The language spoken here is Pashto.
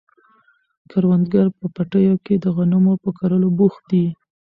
کروندګر په پټیو کې د غنمو په کرلو بوخت دي.